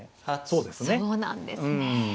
そうなんですね。